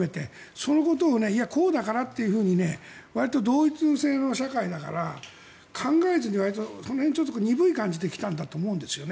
そういうことをいや、こうだからとわりと同一性の社会だから考えずに、わりとその辺、鈍い感じで来たんだと思うんですね。